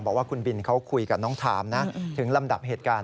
บอกว่าคุณบินเขาคุยกับน้องทามนะถึงลำดับเหตุการณ์